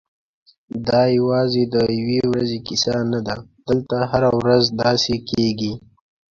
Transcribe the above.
دا یوازې د یوې ورځې کیسه نه ده، دلته هره ورځ داسې کېږي.